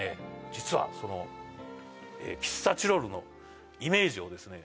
実はその喫茶チロルのイメージをですね